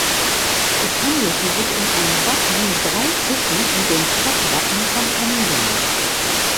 Es handelte sich um ein Wappen mit drei Fischen und dem Stadtwappen von Emden.